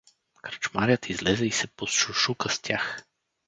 Кръчмарят излезе и се посшушука с тях.